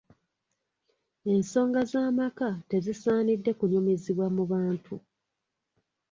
Ensonga z'amaka tezisaanidde kunyumizibwa mu bantu.